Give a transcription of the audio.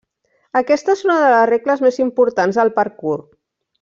Aquesta és una de les regles més importants del parkour.